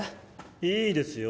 いいですよ。